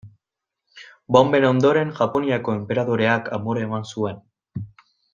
Bonben ondoren, Japoniako enperadoreak amore eman zuen.